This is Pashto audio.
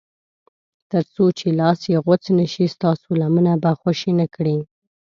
تر څو چې لاس یې غوڅ نه شي ستاسو لمنه به خوشي نه کړي.